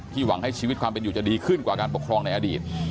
หวังให้ชีวิตความเป็นอยู่จะดีขึ้นกว่าการปกครองในอดีต